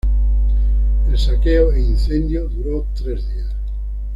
El saqueo e incendio duró tres días.